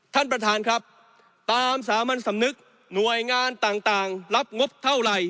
ท่านประธานครับตามสามัญสำนึกหน่วยงานต่างรับงบเท่าไหร่